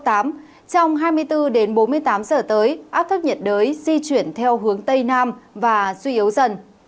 trong hai mươi bốn đến bốn mươi tám giờ tới áp thấp nhiệt đới di chuyển theo hướng tây nam và suy yếu dần